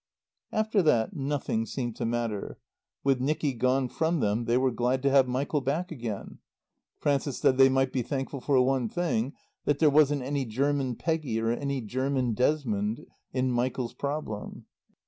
After that nothing seemed to matter. With Nicky gone from them they were glad to have Michael back again. Frances said they might be thankful for one thing that there wasn't any German Peggy or any German Desmond in Michael's problem.